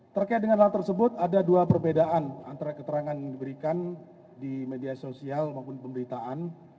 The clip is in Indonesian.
terkait dengan hal tersebut ada dua perbedaan antara keterangan yang diberikan di media sosial maupun pemberitaan